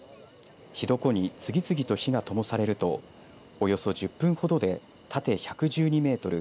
火床に次々と火がともされるとおよそ１０分ほどで縦１１２メートル